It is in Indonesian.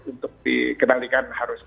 untuk dikenalikan harus